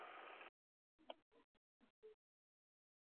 Takriban watu elfu mbili na mia nane hufa kila mwaka nchini Uganda